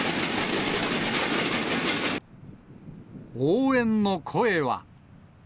応援の声は。